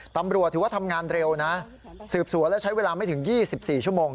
ตำรวจถือว่าทำงานเร็วนะสืบสวนและใช้เวลาไม่ถึง๒๔ชั่วโมง